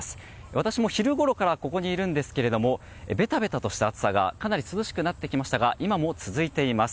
私も昼ごろからここにいるんですがべたべたとした暑さがかなり涼しくはなってきましたが今も続いています。